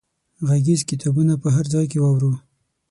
غږیز کتابونه په هر ځای کې واورو.